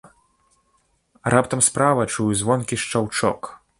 Раптам справа чую звонкі шчаўчок.